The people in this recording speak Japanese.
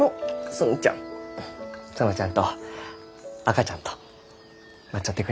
園ちゃんと赤ちゃんと待っちょってくれんか？